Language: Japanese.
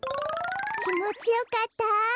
きもちよかった。